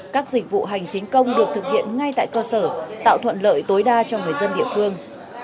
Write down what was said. các dịch vụ hành chính công được thực hiện ngay tại cơ sở tạo thuận lợi tối đa cho người dân địa phương